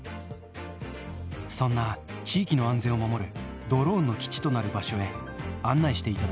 そんな地域の安全を守るドローンの基地となる場所へ案内していた